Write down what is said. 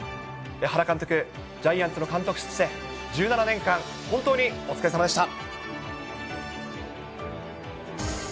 原監督、ジャイアンツの監督として、１７年間、本当にお疲れさまでした。